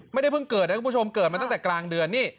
ไม่ได้เพิ่งเกิดนะคุณผู้ชมเกิดมาตั้งแต่กลางเดือนนี่